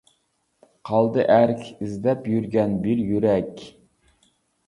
قالدى ئەرك ئىزدەپ يۈرگەن بىر يۈرەك.